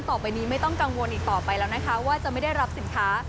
ต่อไปนี้ไม่ต้องกังวลอีกต่อไปแล้วนะคะว่าจะไม่ได้รับสินค้า